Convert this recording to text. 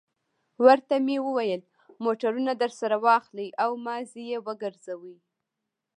ورته مې وویل: موټرونه درسره واخلئ او مازې یې وګرځوئ.